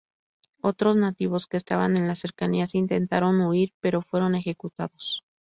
Otros nativos que estaban en las cercanías intentaron huir pero fueron ejecutados.